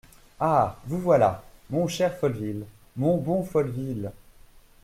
Ah ! vous voilà ! mon cher Folleville !… mon bon Folleville !